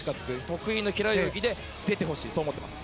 得意の平泳ぎで出てほしいと思っています。